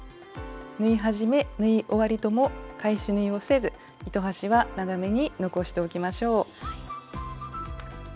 縫い始め縫い終わりとも返し縫いをせず糸端は長めに残しておきましょう。